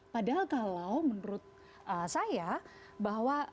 padahal kalau menurut saya